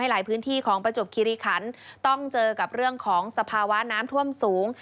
หลายพื้นที่ของประจวบคิริขันต้องเจอกับเรื่องของสภาวะน้ำท่วมสูง